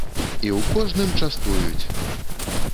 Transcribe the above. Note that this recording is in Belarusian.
І ў кожным частуюць!!!